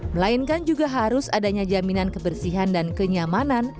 melainkan juga harus adanya jaminan kebersihan dan kenyamanan